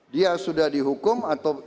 dia sudah dihukum atau